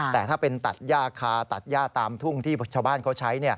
แต่ถ้าเป็นตัดย่าคาตัดย่าตามทุ่งที่ชาวบ้านเขาใช้